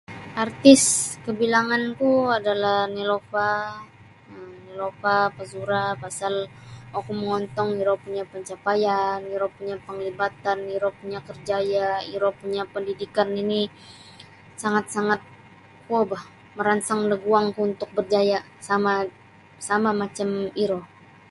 Artis kabilanganku adalah Neelofa um Neelofa Fazura pasal oku mongontong iro punya pencapaian iro punyo penglibatan iro punya kerjaya iro punya pendidikan nini sangat-sangat kuo bah meransang da guangku untuk berjaya' sama sama macam iro.